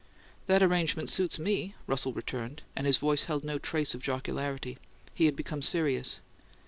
"That arrangement suits me," Russell returned, and his voice held no trace of jocularity: he had become serious.